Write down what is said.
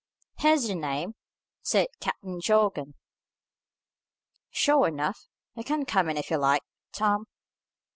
"Here's the name," said Captain Jorgan, "sure enough. You can come in if you like, Tom."